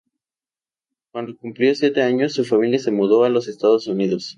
Cuando cumplió siete años, su familia se mudó a los Estados Unidos.